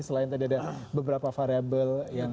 selain tadi ada beberapa variable